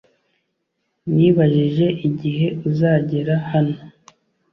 Nibajije igihe uzagera hano